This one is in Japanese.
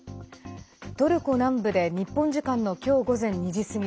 トルコ南部で日本時間の今日午前２時過ぎ